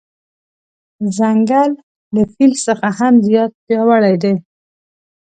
ځنګل له فیل څخه هم زیات پیاوړی دی.